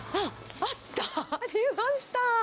ありました。